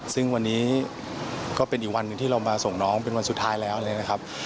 ซึ่งวันนี้ก็เป็นอีกวันหนึ่งที่เรามาส่งน้องเป็นวันสุดท้ายแล้วเลยนะครับ